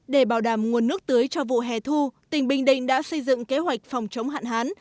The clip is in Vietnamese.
để bảo đảm nguồn nước tưới cho vụ hè thu tỉnh bình định đã xây dựng kế hoạch phòng chống hạn hán